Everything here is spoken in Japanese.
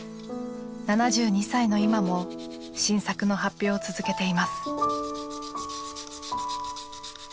７２歳の今も新作の発表を続けています。